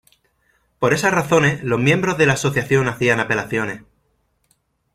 Por esas razones los miembros de la asociación hacían apelaciones.